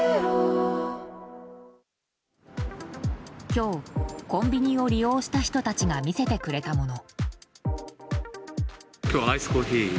今日、コンビニを利用した人たちが見せてくれたもの。